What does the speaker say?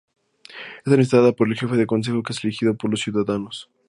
Es administrada por el jefe de Consejo, que es elegido por los ciudadanos.